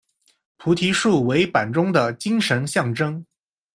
菩提树为板中的精神象征。